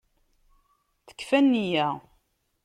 Tekfa nniya.